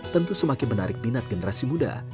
tentu semakin menarik minat generasi muda